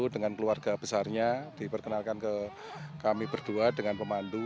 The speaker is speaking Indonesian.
dengan keluarga besarnya diperkenalkan ke kami berdua dengan pemandu